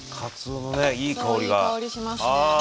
いい香りしますね。